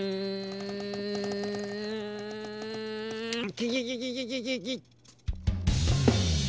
キキキキキキッ！